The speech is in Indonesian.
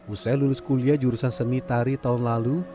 usai lulus kuliah jurusan seni tari tahun lalu